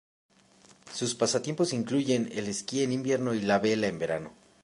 Sus pasatiempos incluyen el esquí en invierno y la vela en verano.